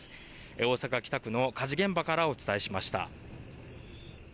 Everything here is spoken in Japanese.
大阪北区の火事現場からお伝えしました。